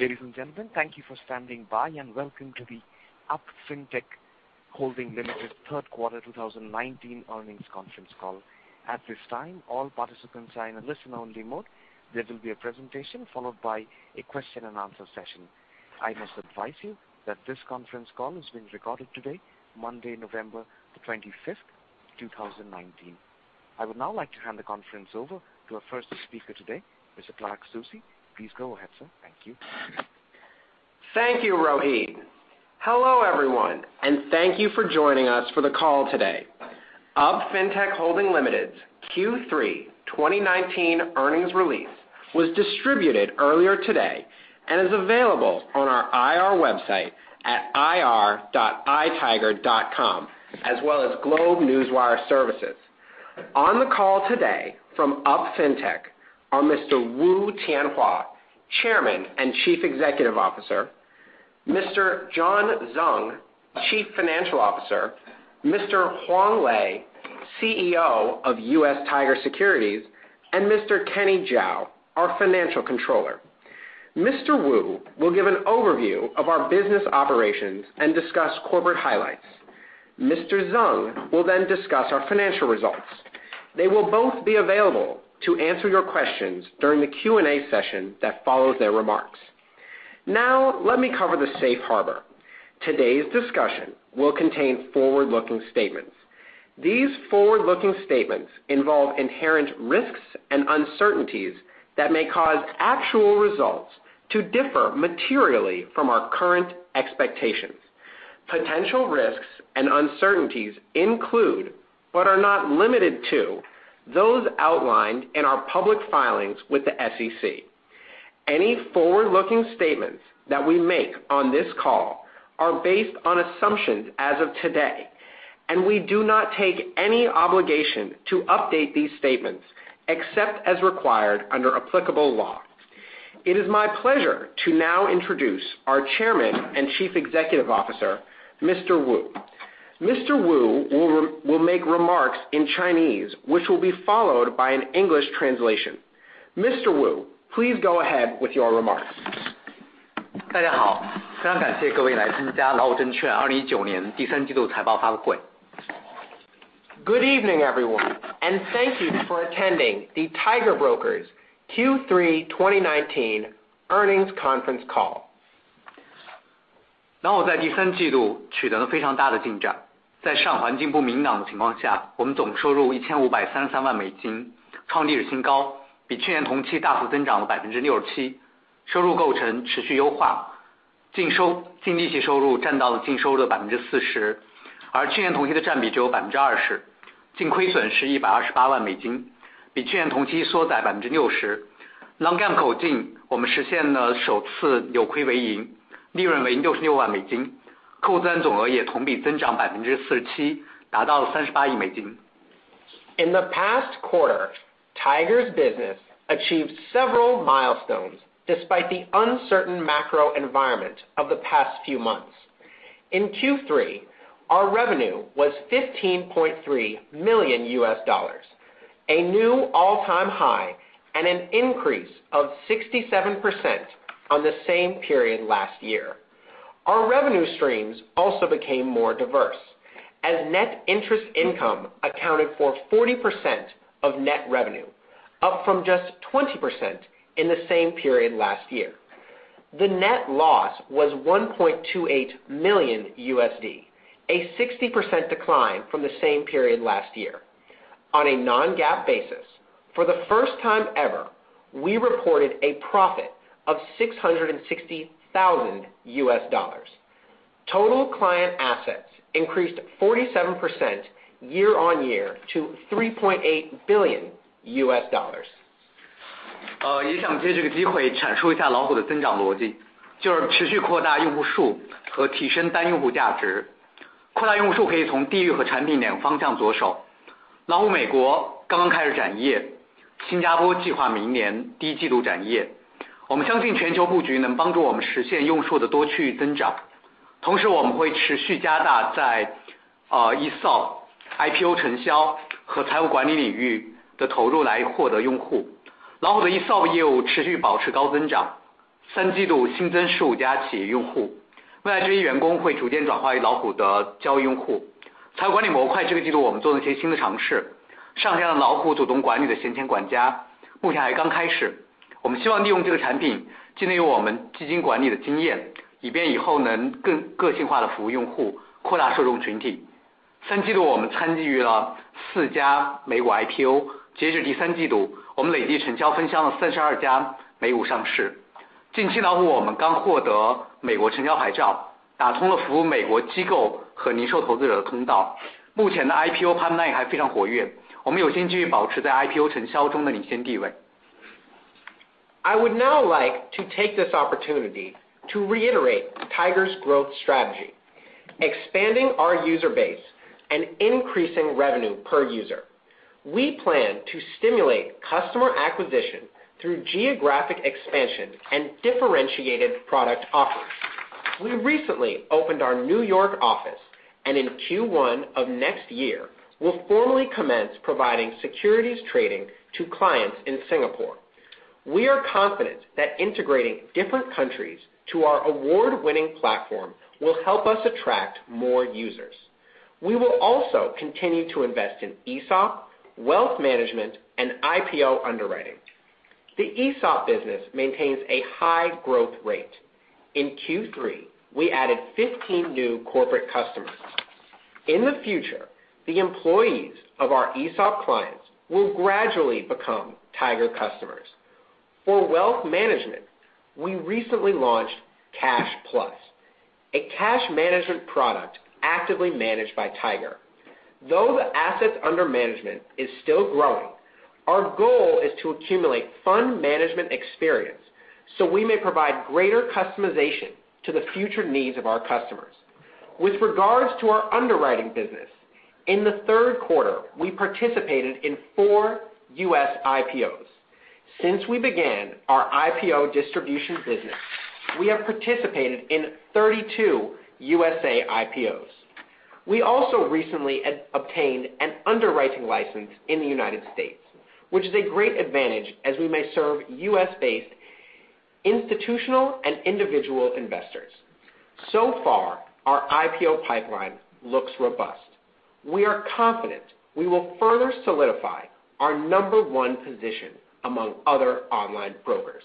Ladies and gentlemen, thank you for standing by and welcome to the UP Fintech Holding Limited third quarter 2019 earnings conference call. At this time, all participants are in a listen-only mode. There will be a presentation followed by a question and answer session. I must advise you that this conference call is being recorded today, Monday, November the 25th, 2019. I would now like to hand the conference over to our first speaker today, Mr. Clark Soucy. Please go ahead, sir. Thank you. Thank you, Rohit. Hello everyone, and thank you for joining us for the call today. UP Fintech Holding Limited's Q3 2019 earnings release was distributed earlier today and is available on our IR website at ir.itiger.com, as well as GlobeNewswire services. On the call today from UP Fintech are Mr. Wu Tianhua, Chairman and Chief Executive Officer, Mr. John Zeng, Chief Financial Officer, Mr. Huang Lei, CEO of US Tiger Securities, and Mr. Kenny Zhao, our Financial Controller. Mr. Wu will give an overview of our business operations and discuss corporate highlights. Mr. Zeng will then discuss our financial results. They will both be available to answer your questions during the Q&A session that follows their remarks. Now let me cover the Safe Harbor. Today's discussion will contain forward-looking statements. These forward-looking statements involve inherent risks and uncertainties that may cause actual results to differ materially from our current expectations. Potential risks and uncertainties include, but are not limited to, those outlined in our public filings with the SEC. Any forward-looking statements that we make on this call are based on assumptions as of today, and we do not take any obligation to update these statements except as required under applicable law. It is my pleasure to now introduce our Chairman and Chief Executive Officer, Mr. Wu. Mr. Wu will make remarks in Chinese, which will be followed by an English translation. Mr. Wu, please go ahead with your remarks. Good evening everyone, and thank you for attending the Tiger Brokers Q3 2019 earnings conference call. In the past quarter, Tiger's business achieved several milestones despite the uncertain macro environment of the past few months. In Q3, our revenue was $15.3 million, a new all-time high and an increase of 67% on the same period last year. Our revenue streams also became more diverse, as net interest income accounted for 40% of net revenue, up from just 20% in the same period last year. The net loss was $1.28 million, a 60% decline from the same period last year. On a non-GAAP basis, for the first time ever, we reported a profit of $660,000. Total client assets increased 47% year-on-year to $3.8 billion. I would now like to take this opportunity to reiterate Tiger's growth strategy: expanding our user base and increasing revenue per user. We plan to stimulate customer acquisition through geographic expansion and differentiated product offerings. We recently opened our New York office, and in Q1 of next year, we'll formally commence providing securities trading to clients in Singapore. We are confident that integrating different countries to our award-winning platform will help us attract more users. We will also continue to invest in ESOP, wealth management, and IPO underwriting. The ESOP business maintains a high growth rate. In Q3, we added 15 new corporate customers. In the future, the employees of our ESOP clients will gradually become Tiger customers. For wealth management, we recently launched Cash Plus, a cash management product actively managed by Tiger. Though the assets under management is still growing, our goal is to accumulate fund management experience so we may provide greater customization to the future needs of our customers. With regards to our underwriting business, in the third quarter, we participated in four U.S. IPOs. Since we began our IPO distribution business, we have participated in 32 USA IPOs. We also recently obtained an underwriting license in the United States, which is a great advantage as we may serve U.S.-based institutional and individual investors. So far, our IPO pipeline looks robust. We are confident we will further solidify our number one position among other online brokers.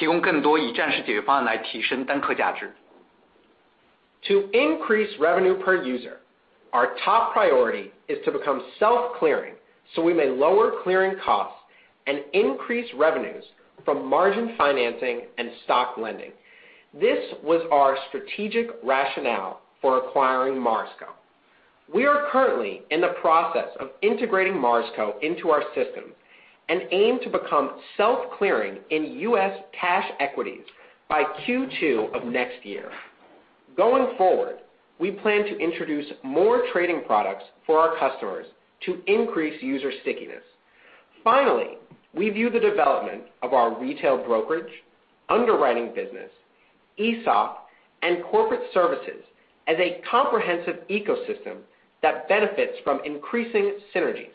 To increase revenue per user, our top priority is to become self-clearing so we may lower clearing costs and increase revenues from margin financing and stock lending. This was our strategic rationale for acquiring Marsco. We are currently in the process of integrating Marsco into our system and aim to become self-clearing in U.S. cash equities by Q2 of next year. Going forward, we plan to introduce more trading products for our customers to increase user stickiness. Finally, we view the development of our retail brokerage, underwriting business, ESOP, and corporate services as a comprehensive ecosystem that benefits from increasing synergies.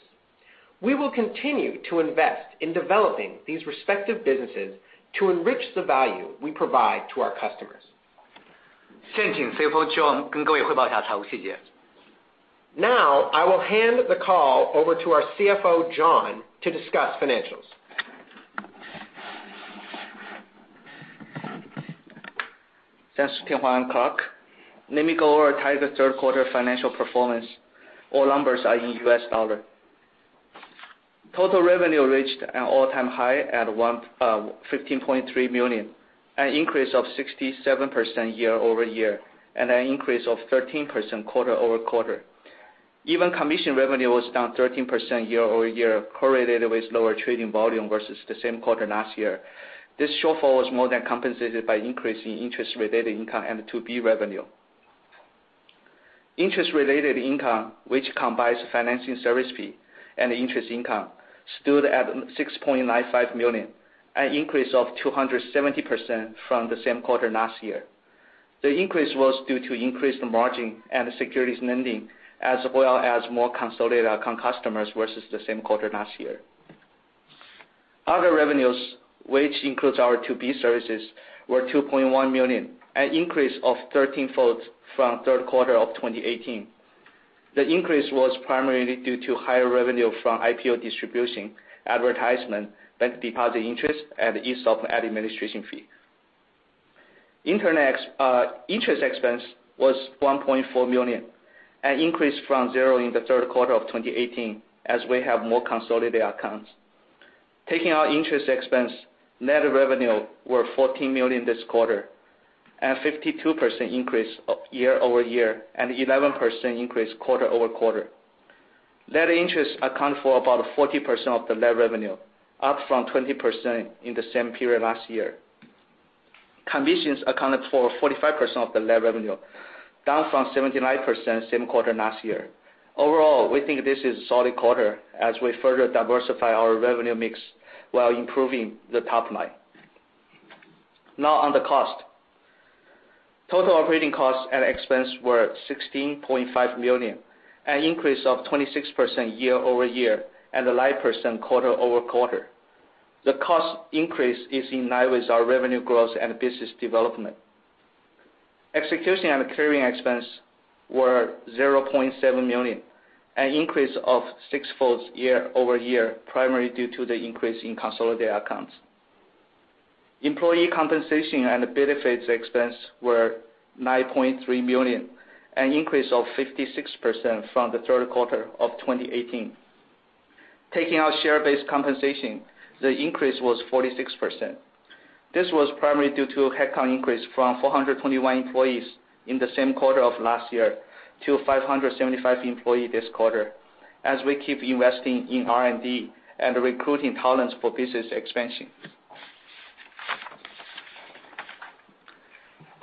We will continue to invest in developing these respective businesses to enrich the value we provide to our customers. Now, I will hand the call over to our CFO, John, to discuss financials. Thanks, Tianhua Clark. Let me go over Tiger's third quarter financial performance. All numbers are in U.S. dollar. Total revenue reached an all-time high at $15.3 million, an increase of 67% year-over-year, and an increase of 13% quarter-over-quarter. Even commission revenue was down 13% year-over-year, correlated with lower trading volume versus the same quarter last year. This shortfall was more than compensated by increase in interest-related income and 2B revenue. Interest-related income, which combines financing service fee and interest income, stood at $6.95 million, an increase of 270% from the same quarter last year. The increase was due to increased margin and securities lending, as well as more consolidated account customers versus the same quarter last year. Other revenues, which includes our 2B services, were $2.1 million, an increase of 13-fold from third quarter of 2018. The increase was primarily due to higher revenue from IPO distribution, advertisement, bank deposit interest, and ESOP administration fee. Interest expense was $1.4 million, an increase from zero in the third quarter of 2018, as we have more consolidated accounts. Taking our interest expense, net revenue were $14 million this quarter, and 52% increase year-over-year, and 11% increase quarter-over-quarter. Net interest accounted for about 40% of the net revenue, up from 20% in the same period last year. Commissions accounted for 45% of the net revenue, down from 79% same quarter last year. Overall, we think this is a solid quarter as we further diversify our revenue mix while improving the top line. Now on the cost. Total operating costs and expense were $16.5 million, an increase of 26% year-over-year, and 9% quarter-over-quarter. The cost increase is in line with our revenue growth and business development. Execution and clearing expense were $0.7 million, an increase of six folds year-over-year, primarily due to the increase in consolidated accounts. Employee compensation and benefits expense were $9.3 million, an increase of 56% from the third quarter of 2018. Taking out share-based compensation, the increase was 46%. This was primarily due to a headcount increase from 421 employees in the same quarter of last year to 575 employees this quarter, as we keep investing in R&D and recruiting talents for business expansion.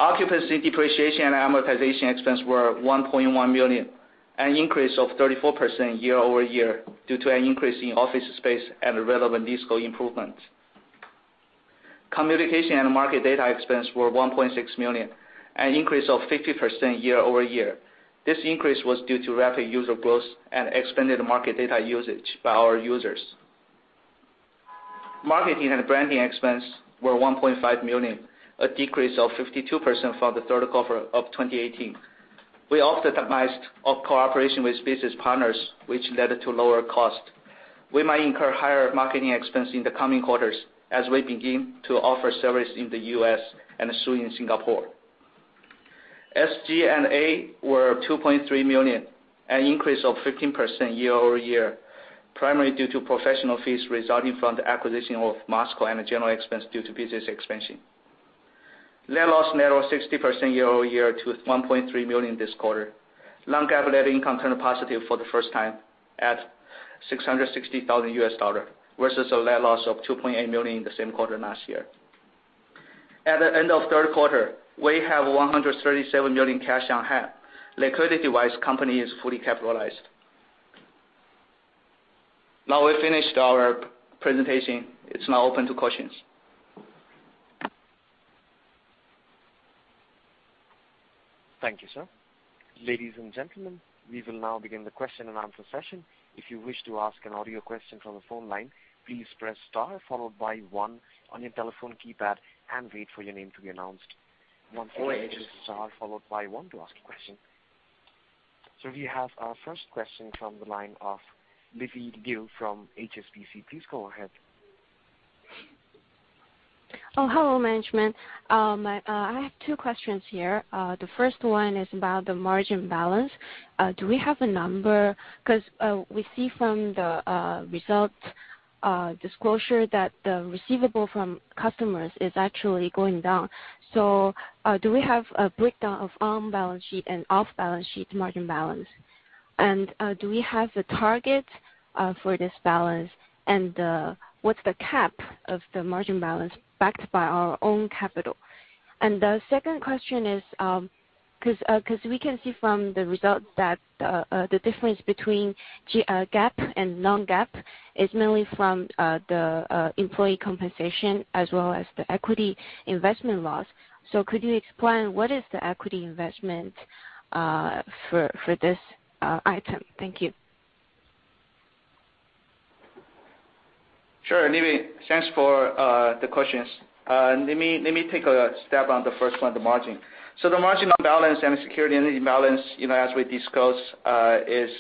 Occupancy, depreciation, and amortization expenses were $1.1 million, an increase of 34% year-over-year due to an increase in office space and relevant [leasehold] improvements. Communication and market data expenses were $1.6 million, an increase of 50% year-over-year. This increase was due to rapid user growth and expanded market data usage by our users. Marketing and branding expenses were $1.5 million, a decrease of 52% from the third quarter of 2018. We optimized our cooperation with business partners, which led to lower costs. We might incur higher marketing expenses in the coming quarters as we begin to offer service in the U.S. and soon in Singapore. SG&A were $2.3 million, an increase of 15% year-over-year, primarily due to professional fees resulting from the acquisition of Marsco and general expenses due to business expansion. Net loss narrowed 60% year-over-year to $1.3 million this quarter. Non-GAAP net income turned positive for the first time at $660,000, versus a net loss of $2.8 million in the same quarter last year. At the end of the third quarter, we have $137 million in cash on hand. Liquidity-wise, the company is fully capitalized. Now we've finished our presentation. It's now open to questions. Thank you, sir. Ladies and gentlemen, we will now begin the question-and-answer session. If you wish to ask an audio question from the phone line, please press star followed by one on your telephone keypad and wait for your name to be announced. Wait. Once again, it is star followed by one to ask a question. We have our first question from the line of Libby Liu from HSBC. Please go ahead. Hello, management. I have two questions here. The first one is about the margin balance. Do we have a number? We see from the results disclosure that the receivable from customers is actually going down. Do we have a breakdown of on-balance sheet and off-balance sheet margin balance? Do we have the target for this balance? What's the cap of the margin balance backed by our own capital? The second question is, because we can see from the results that the difference between GAAP and non-GAAP is mainly from the employee compensation as well as the equity investment loss. Could you explain what is the equity investment for this item? Thank you. Sure, Libby. Thanks for the questions. Let me take a stab on the first one, the margin. The margin on balance and the securities lending balance, as we discussed, is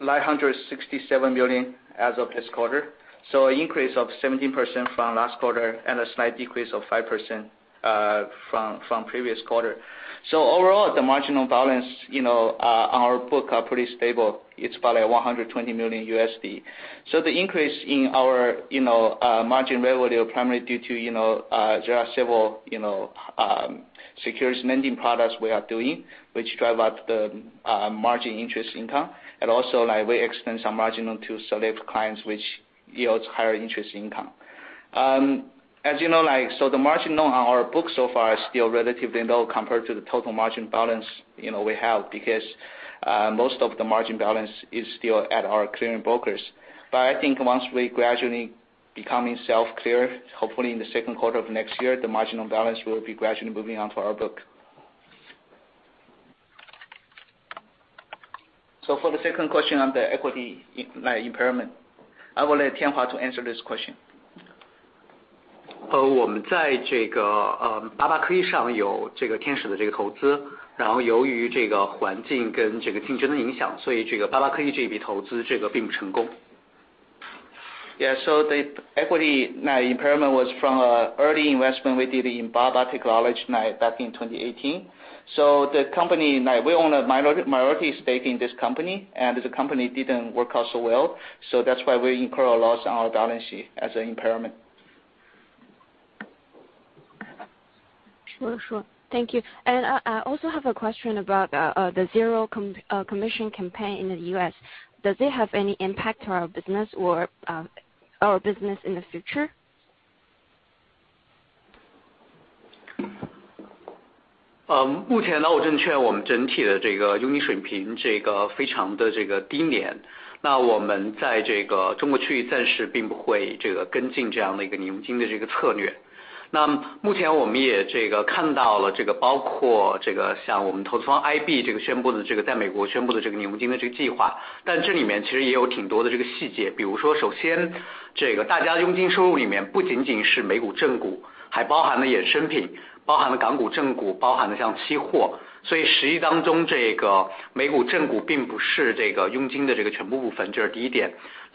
$967 million as of this quarter. An increase of 17% from last quarter and a slight decrease of 5% from the previous quarter. Overall, the margin on balance on our books are pretty stable. It's about $120 million. The increase in our margin revenue primarily due to several securities lending products we are doing, which drive up the margin interest income, and also we extend some marginal to select clients, which yields higher interest income. The margin on our books so far is still relatively low compared to the total margin balance we have, because most of the margin balance is still at our clearing brokers. I think once we gradually become self-clear, hopefully in the second quarter of next year, the marginal balance will be gradually moving onto our book. For the second question on the equity impairment, I will let Tianhua to answer this question. The equity impairment was from an early investment we did in BABA Technology back in 2018. We own a minority stake in this company, and the company didn't work out so well. That's why we incur a loss on our balance sheet as an impairment. Sure. Thank you. I also have a question about the zero commission campaign in the U.S. Does it have any impact on our business or our business in the future? 包括了这个Lite mode跟这个正常的这个专业版本。它只是在它的这个Lite flow rebate来获得这样的一些这个类似于隐性佣金的这些收入。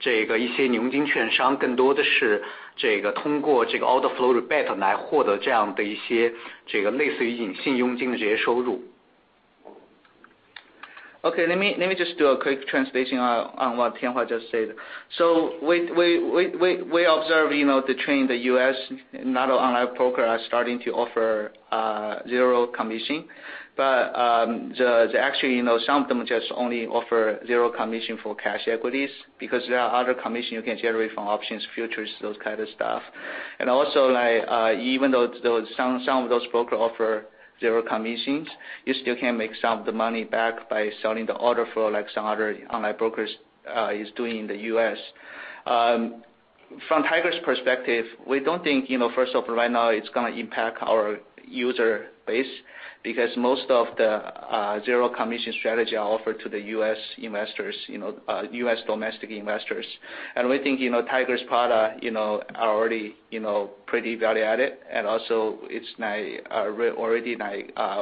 Okay. Let me just do a quick translation on what Tianhua just said. We observe the trend, the U.S., not all online broker are starting to offer zero commission. Actually, some of them just only offer zero commission for cash equities, because there are other commission you can generate from options, futures, those kind of stuff. Also, even though some of those broker offer zero commissions, you still can make some of the money back by selling the order flow like some other online brokers is doing in the U.S. From Tiger's perspective, we don't think, first off, right now it's gonna impact our user base because most of the zero commission strategy are offered to the U.S. investors, U.S. domestic investors. We think Tiger's product are already pretty value-added, also it's already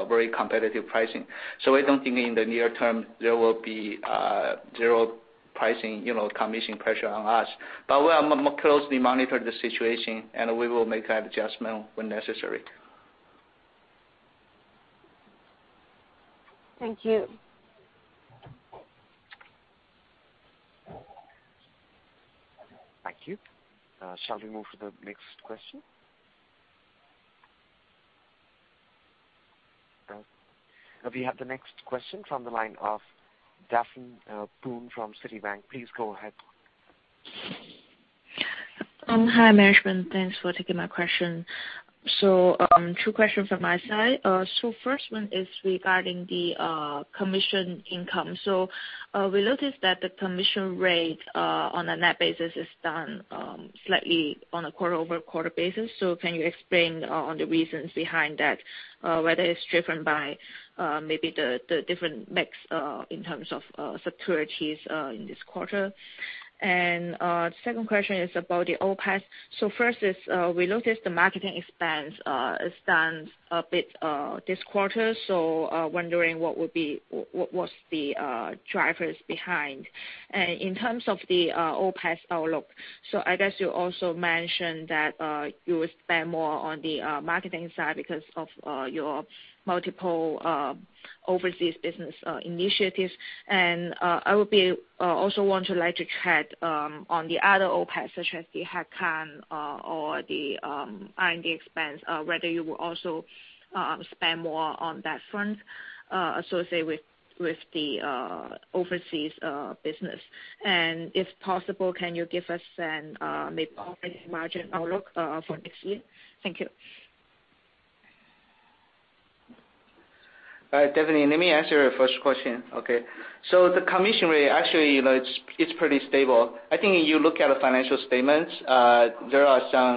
very competitive pricing. We don't think in the near term there will be zero pricing commission pressure on us. We are closely monitor the situation, and we will make an adjustment when necessary. Thank you. Thank you. Shall we move to the next question? All right. We have the next question from the line of Daphne Poon from Citigroup. Please go ahead. Hi, management. Thanks for taking my question. Two questions from my side. First one is regarding the commission income. We noticed that the commission rate, on a net basis is down slightly on a quarter-over-quarter basis. Can you explain on the reasons behind that, whether it's driven by maybe the different mix in terms of securities in this quarter? Second question is about the OPEX. First is, we noticed the marketing expense is down a bit this quarter, so wondering what's the drivers behind. In terms of the OPEX outlook, I guess you also mentioned that you will spend more on the marketing side because of your multiple overseas business initiatives. I would also like to check on the other OPEX such as the head count or the R&D expense, whether you will also spend more on that front associated with the overseas business. If possible, can you give us maybe operating margin outlook for next year? Thank you. All right, Daphne, let me answer your first question. Okay. The commission rate, actually, it's pretty stable. I think if you look at the financial statements, Actually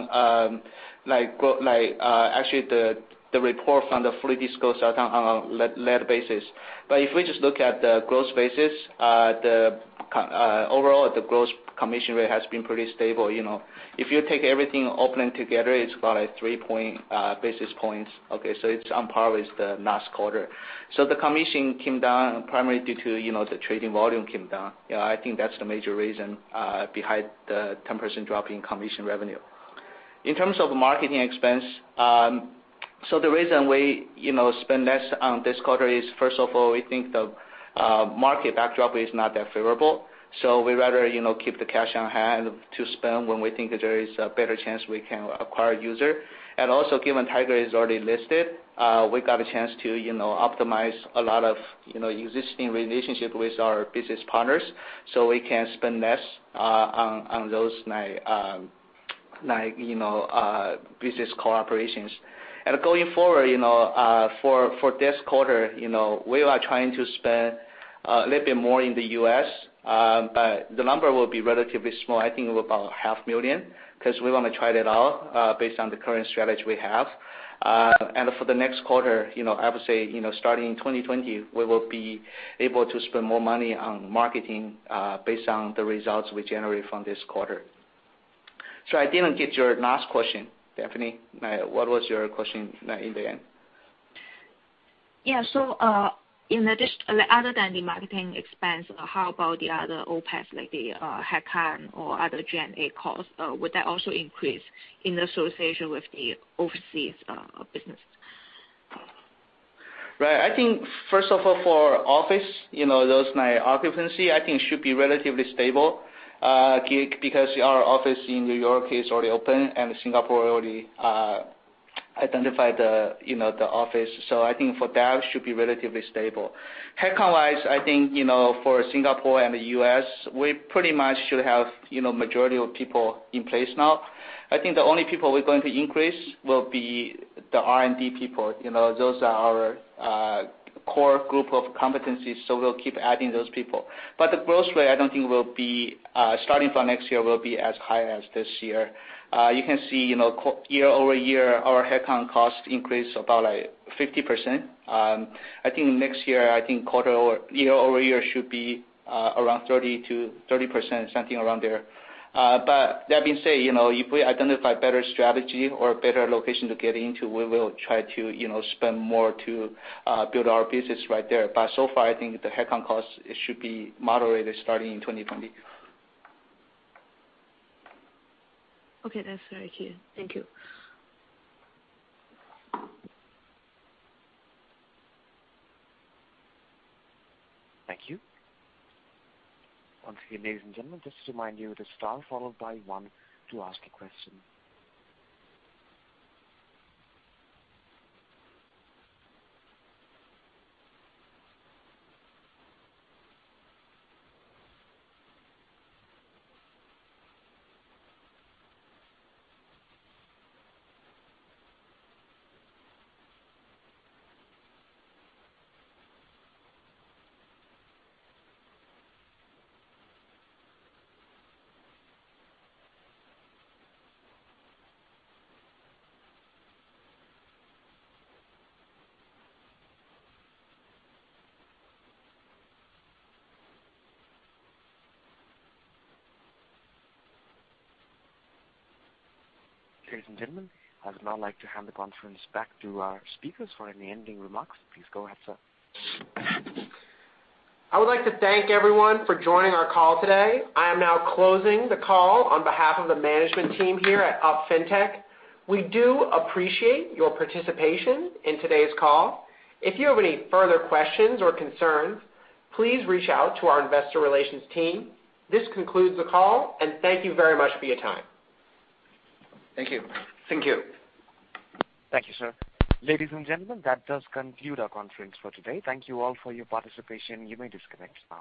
the report from the fully disclosed are done on a led basis. If we just look at the gross basis, overall the gross commission rate has been pretty stable. If you take everything opening together, it's about a three basis points. Okay. It's on par with the last quarter. The commission came down primarily due to the trading volume came down. I think that's the major reason behind the 10% drop in commission revenue. In terms of marketing expense, the reason we spend less on this quarter is, first of all, we think the market backdrop is not that favorable. We rather keep the cash on hand to spend when we think that there is a better chance we can acquire user. Also given Tiger is already listed, we got a chance to optimize a lot of existing relationship with our business partners so we can spend less on those business cooperations. Going forward, for this quarter, we are trying to spend a little bit more in the U.S., but the number will be relatively small, I think about $ half million, because we want to try that out based on the current strategy we have. For the next quarter, I would say, starting 2020, we will be able to spend more money on marketing based on the results we generate from this quarter. I didn't get your last question, Daphne. What was your question in the end? Yeah. Other than the marketing expense, how about the other OPEX like the head count or other G&A cost? Would that also increase in association with the overseas business? Right. I think first of all, for office, those occupancy I think should be relatively stable, because our office in New York is already open and Singapore already identified the office. I think for that should be relatively stable. Headcount-wise, I think, for Singapore and the U.S., we pretty much should have majority of people in place now. I think the only people we're going to increase will be the R&D people. Those are our core group of competencies, so we'll keep adding those people. The growth rate, I don't think starting from next year will be as high as this year. You can see, year-over-year, our headcount cost increase about 50%. I think next year, I think year-over-year should be around 30%, something around there. That being said, if we identify better strategy or better location to get into, we will try to spend more to build our business right there. So far, I think the headcount cost should be moderated starting in 2020. Okay. That's very clear. Thank you. Thank you. Once again, ladies and gentlemen, just to remind you, the star followed by one to ask a question. Ladies and gentlemen, I would now like to hand the conference back to our speakers for any ending remarks. Please go ahead, sir. I would like to thank everyone for joining our call today. I am now closing the call on behalf of the management team here at UP Fintech. We do appreciate your participation in today's call. If you have any further questions or concerns, please reach out to our investor relations team. This concludes the call, and thank you very much for your time. Thank you. Thank you. Thank you, sir. Ladies and gentlemen, that does conclude our conference for today. Thank you all for your participation. You may disconnect now.